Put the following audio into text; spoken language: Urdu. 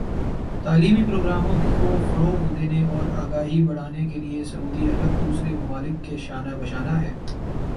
تعلیمی پروگراموں کو فروغ دینے اور آگاہی بڑھانے کے لئے سعودی عرب دوسرے ممالک کے شانہ بشانہ ہے